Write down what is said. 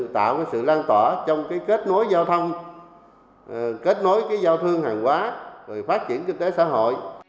tạo sự lan tỏa trong kết nối giao thông kết nối giao thương hàng quá rồi phát triển kinh tế xã hội